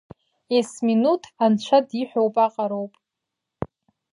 Есминуҭ анцәа диҳәоит аҟароуп.